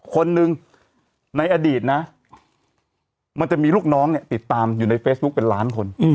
คนหนึ่งในอดีตนะมันจะมีลูกน้องเนี่ยติดตามอยู่ในเฟซบุ๊คเป็นล้านคน